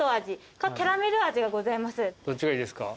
どっちがいいですか？